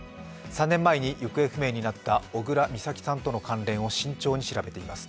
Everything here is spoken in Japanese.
３年前に行方不明になった小倉美咲さんとの関連を慎重に調べています。